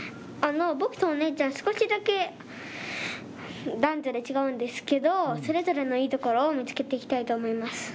僕とお姉ちゃん、少しだけ男女で違うんですけど、それぞれのいいところを見つけていきたいと思います。